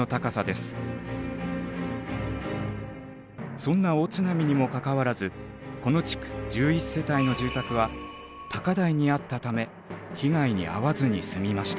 そんな大津波にもかかわらずこの地区１１世帯の住宅は高台にあったため被害に遭わずに済みました。